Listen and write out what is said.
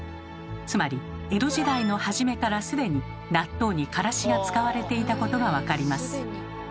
つまり江戸時代の初めから既に納豆にからしが使われていたことが分かります。